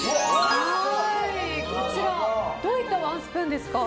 こちら、どういったワンスプーンですか？